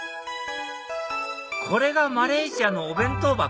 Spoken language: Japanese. これがマレーシアのお弁当箱？